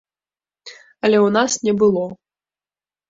Але ў нас не было.